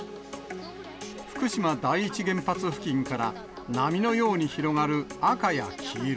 福島第一原発付近から波のように広がる赤や黄色。